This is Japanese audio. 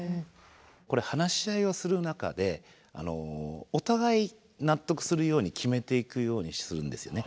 これ話し合いをする中でお互い納得するように決めていくようにするんですよね。